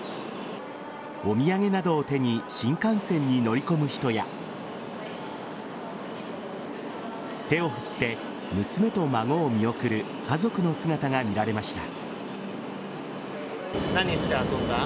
お土産などを手に新幹線に乗り込む人や手を振って娘と孫を見送る家族の姿が見られました。